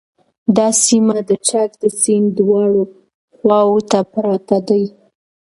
دا سیمه د چک د سیند دواړو خواوو ته پراته دي